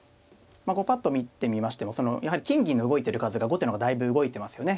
まあこうパッと見てみましてもやはり金銀の動いてる数が後手の方がだいぶ動いてますよね。